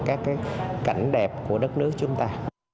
các cái cảnh đẹp của đất nước chúng ta